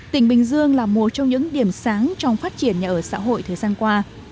tỉnh bình dương là một trong những điểm sáng trong phát triển nhà ở xã hội thời gian qua